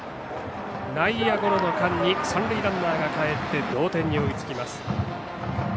内野ゴロの間に三塁ランナーがかえって同点に追いつきます。